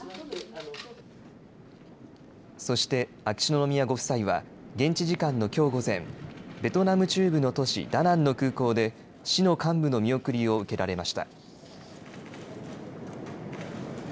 そして秋篠宮ご夫妻は現地時間のきょう午前ベトナム中部の都市ダナンの空港で市の幹部の見送りを受けられました。